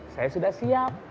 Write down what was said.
saya sudah siap